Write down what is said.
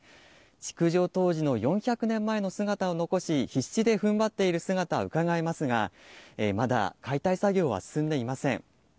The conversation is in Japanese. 築城当時の４００年前の姿を残し、必死でふんばっている姿、うかがえますが、まだ解体作業は進んでいません。